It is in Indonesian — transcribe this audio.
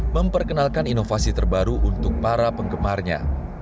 memperkenalkan inovasi terbaru untuk para penggemarnya